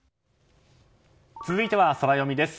続いてはソラよみです。